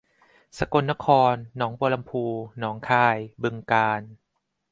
สกลนครหนองบัวลำภูหนองคายบึงกาฬ